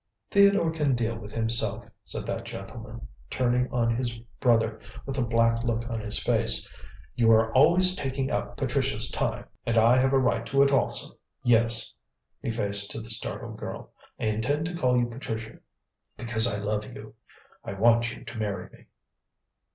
"Theodore can deal with himself," said that gentleman, turning on his brother with a black look on his face. "You are always taking up Patricia's time, and I have a right to it also. Yes" he faced to the startled girl "I intend to call you Patricia because I love you. I want you to marry me."